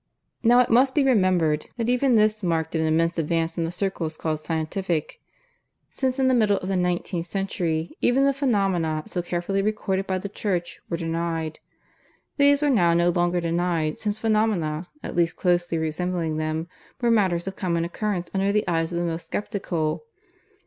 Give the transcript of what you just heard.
Now it must be remembered that even this marked an immense advance in the circles called scientific; since in the middle of the nineteenth century, even the phenomena so carefully recorded by the Church were denied. These were now no longer denied, since phenomena, at least closely resembling them, were matters of common occurrence under the eyes of the most sceptical.